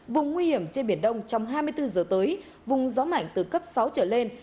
vùng nguy hiểm trên biển đông trong hai mươi bốn giờ tới vùng gió mạnh từ cấp sáu trở lên